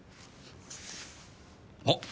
あっ！？